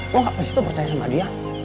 gua nggak pasti tuh percaya sama dia